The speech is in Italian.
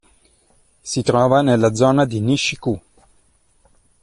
Si trova nella zona di Nishi-ku.